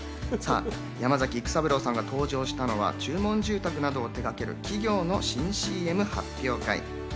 山崎育三郎さんが登場したのは、注文住宅などを手がける企業の新ＣＭ発表会。